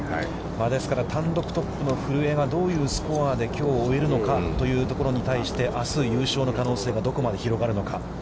ですから、単独トップの古江がどういうスコアできょうを終えるのか、というところに対して、あす、優勝の可能性がどこまで広がるのか。